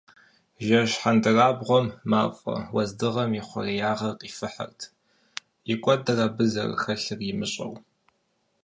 Жэщ хьэндырабгъуэм мафӏэ уэздыгъэм и хъуреягъыр къифыхырт, и кӏуэдыр абы зэрыхэлъыр имыщӏэу.